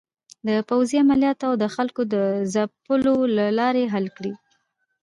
د پوځې عملیاتو او د خلکو د ځپلو له لارې حل کړي.